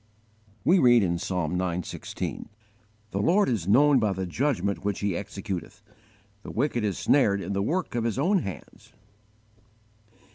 We read in Psalm ix. 16: "The Lord is known by the judgment which He executeth: The wicked is snared in the work of his own hands."